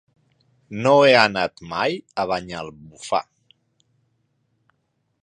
No he anat mai a Banyalbufar.